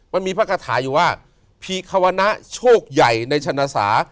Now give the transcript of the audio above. มันมีภาคฐาอยู่ว่าภีควณะโชคใหญ่ในชนษา